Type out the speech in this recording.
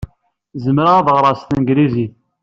Zemreɣ ad ɣreɣ s tanglizit.